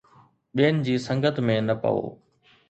ٻين جي سنگت ۾ نه پئو